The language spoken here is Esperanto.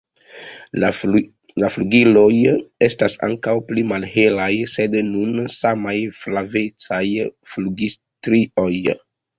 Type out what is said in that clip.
La flugiloj estas ankaŭ pli malhelaj sed kun samaj flavecaj flugilstrioj.